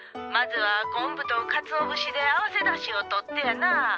まずはこんぶとかつお節で合わせだしをとってやなあ。